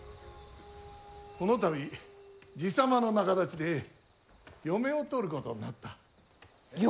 この度、爺様の仲立ちで嫁を取ることになった。